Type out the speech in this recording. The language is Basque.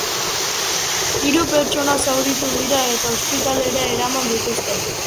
Hiru pertsona zauritu dira, eta ospitalera eraman dituzte.